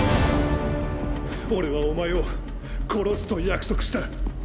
俺はお前を殺すと約束した。